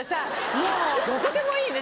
もうどこでもいいね